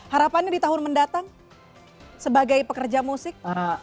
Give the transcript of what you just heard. harapannya di tahun mendatang sebagai pekerja musik